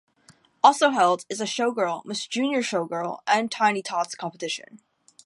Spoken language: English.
Also held is a Showgirl, Miss Junior Showgirl and Tiny Tots competition.